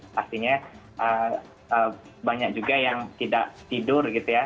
pastinya banyak juga yang tidak tidur gitu ya